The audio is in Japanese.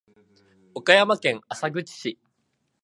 岡山県浅口市